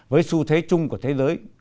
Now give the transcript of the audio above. với xu thế chung của thế giới